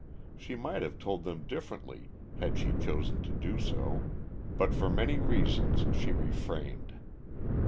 She might have told them differently had she chosen to do so, but for many reasons she refrained.